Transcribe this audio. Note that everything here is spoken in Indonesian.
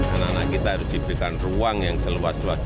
anak anak kita harus diberikan ruang yang seluas luasnya